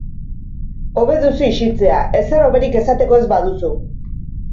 Hobe duzu isiltzea, ezer hoberik esateko ez baduzu.